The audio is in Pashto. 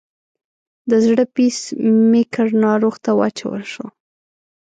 د زړه پیس میکر ناروغ ته واچول شو.